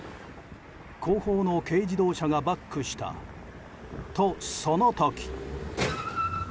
後方の軽自動車がバックしたと、その時。